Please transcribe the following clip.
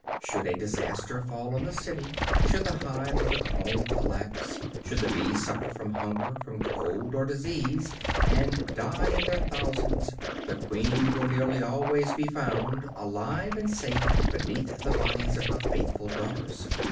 Should a disaster fall on the city; should the hive or the comb collapse; should the bees suffer from hunger, from cold or disease, and die in their thousands, the queen will nearly always be found, alive and safe, beneath the bodies of her faithful daughters.